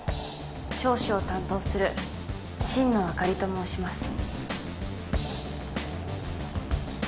聴取を担当する心野朱梨と申します。